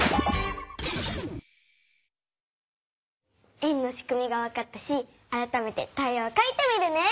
円のしくみがわかったしあらためてタイヤをかいてみるね！